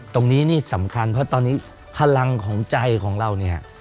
ตรงนี้นี่สำคัญเพราะตอนนี้พลังของใจของเราเนี่ย